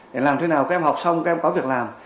để làm thế nào các em học xong các em có việc làm